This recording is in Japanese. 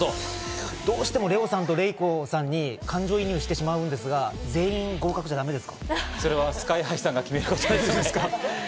どうしてもレオさんとレイコさんに感情移入してしまうんですが、それはＳＫＹ−ＨＩさんが決めることです。